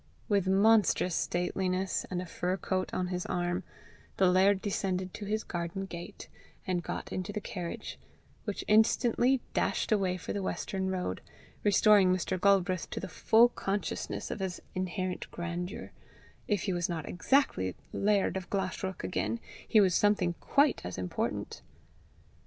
With monstrous stateliness, and a fur coat on his arm, the laird descended to his garden gate, and got into the carriage, which instantly dashed away for the western road, restoring Mr. Galbraith to the full consciousness of his inherent grandeur: if he was not exactly laird of Glashruach again, he was something quite as important.